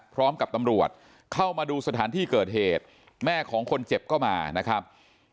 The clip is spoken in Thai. พร้อมกับตำรวจเข้ามาดูสถานที่เกิดเหตุแม่ของคนเจ็บก็มานะครับ